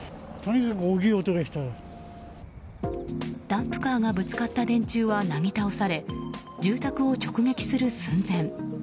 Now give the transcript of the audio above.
ダンプカーがぶつかった電柱はなぎ倒され住宅を直撃する寸前。